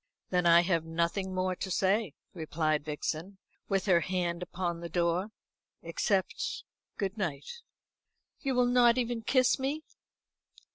"Then I have nothing more to say," replied Vixen, with her hand upon the door, "except good night." "You will not even kiss me?"